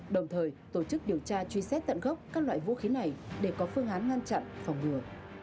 đồng thời tổ chức điều tra truy xét tận gốc các loại vũ khí này để có phương án ngăn chặn phòng ngừa